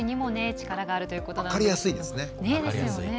分かりやすいですね。